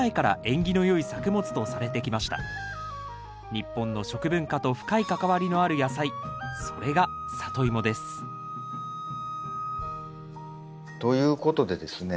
日本の食文化と深い関わりのある野菜それがサトイモですということでですね